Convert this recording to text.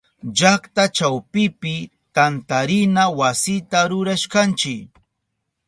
Llakta chawpipi tantarina wasita rurashkanchi.